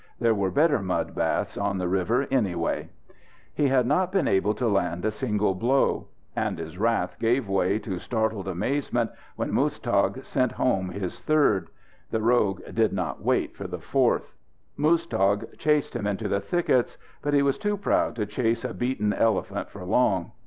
There were better mud baths on the river, anyway. He had not been able to land a single blow. And his wrath gave way to startled amazement when Muztagh sent home his third. The rogue did not wait for the fourth. Muztagh chased him into the thickets. But he was too proud to chase a beaten elephant for long.